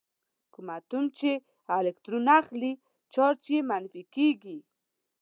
کوم اتوم چې الکترون اخلي چارج یې منفي کیږي.